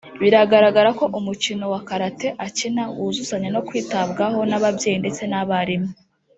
Bigaragara ko Umukino wa Karate akina wuzuzanya no kwitabwaho n’ababyeyi ndetse n’abarimu